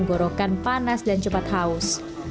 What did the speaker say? gorokan panas dan cepat haus